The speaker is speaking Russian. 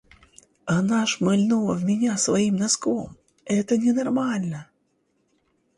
Она шмальнула в меня своим носком, это ненормально!